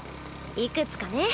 いくつかね。